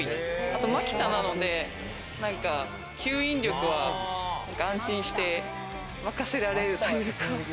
あとマキタなので、なんか吸引力は安心して任せられるというか。